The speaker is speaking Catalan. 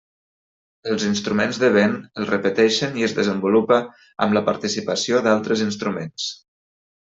Els instruments de vent el repeteixen i es desenvolupa amb la participació d'altres instruments.